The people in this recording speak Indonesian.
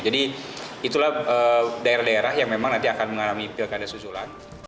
jadi itulah daerah daerah yang memang nanti akan mengalami pilkada susulan